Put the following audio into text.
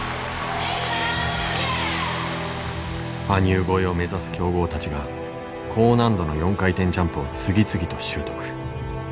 羽生超えを目指す強豪たちが高難度の４回転ジャンプを次々と習得。